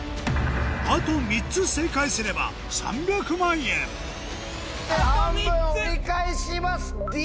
あと３つ正解すれば３００万円半分折り返します！